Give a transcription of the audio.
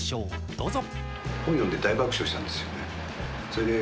どうぞ。